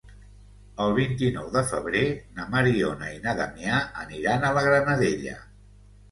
El vint-i-nou de febrer na Mariona i na Damià aniran a la Granadella.